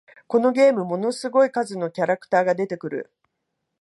このゲーム、ものすごい数のキャラクターが出てくる